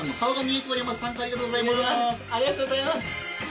ありがとうございます。